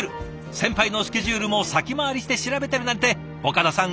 先輩のスケジュールも先回りして調べてるなんて岡田さん